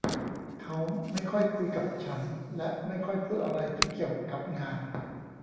เขาไม่ค่อยคุยกับฉันและไม่ค่อยพูดอะไรที่เกี่ยวกับงาน